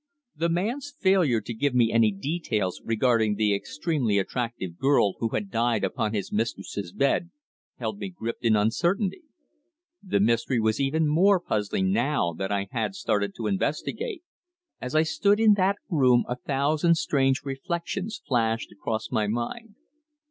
The man's failure to give me any details regarding the extremely attractive girl who had died upon his mistress's bed held me gripped in uncertainty. The mystery was even more puzzling now that I had started to investigate. As I stood in that room a thousand strange reflections flashed across my mind.